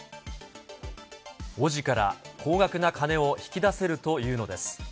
おぢから高額な金を引き出せるというのです。